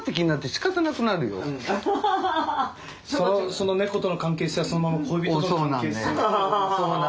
その猫との関係性はそのまま恋人との関係性ってことですよ。